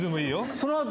その後。